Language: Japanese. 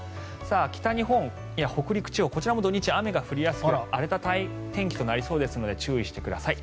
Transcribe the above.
北日本や北陸地方はこちらも土日雨が降りやすく荒れた天気となりそうですので注意してください。